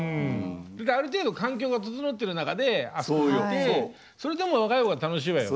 ある程度環境が整ってる中であそこにいてそれでも「若い方が楽しいわよ」って。